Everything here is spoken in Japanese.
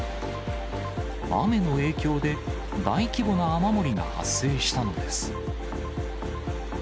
雨の影響で、大規模な雨漏りが発生したのです。